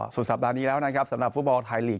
สุดสัปดาห์นี้แล้วนะครับสำหรับฟุตบอลไทยลีก